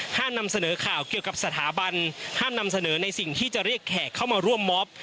นำเสนอข่าวเกี่ยวกับสถาบันห้ามนำเสนอในสิ่งที่จะเรียกแขกเข้ามาร่วมมอบ